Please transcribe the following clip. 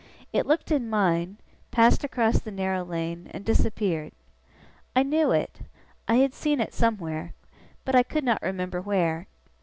It looked in mine, passed across the narrow lane, and disappeared. I knew it. I had seen it somewhere. But I could not remember where.